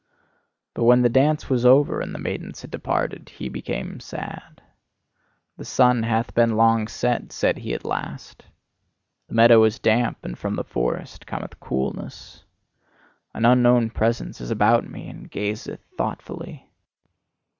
But when the dance was over and the maidens had departed, he became sad. "The sun hath been long set," said he at last, "the meadow is damp, and from the forest cometh coolness. An unknown presence is about me, and gazeth thoughtfully.